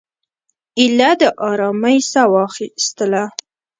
ایله د آرامۍ ساه وایستله.